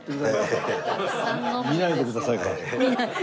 「見ないでください」。